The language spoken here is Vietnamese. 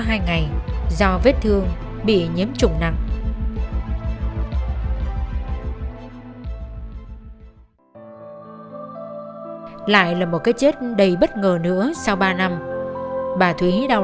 hai ngày do vết thương bị nhiễm trùng nặng lại là một cái chết đầy bất ngờ nữa sau ba năm bà thúy đau